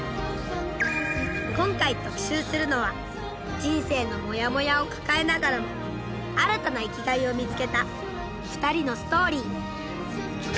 今回特集するのは人生のもやもやを抱えながらも新たな生きがいを見つけた２人のストーリー。